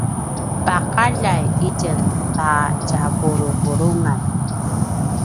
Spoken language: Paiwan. paqaljai itjen ta tjavavulungan